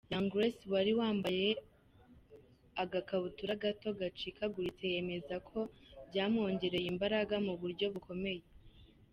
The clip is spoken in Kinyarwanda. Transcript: Young Grace wari wambaye agakabutura gato gacikaguritse yemeza ko byamwongereye imbaraga mu buryo bukomeye.